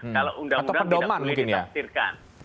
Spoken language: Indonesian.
atau pedoman mungkin ya